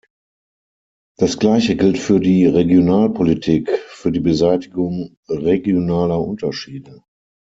Das Gleiche gilt für die Regionalpolitik, für die Beseitigung regionaler Unterschiede.